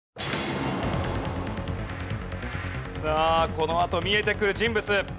このあと見えてくる人物。